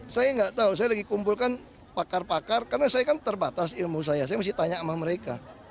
saya lagi kumpulkan pakar pakar karena saya kan terbatas ilmu saya saya masih tanya sama mereka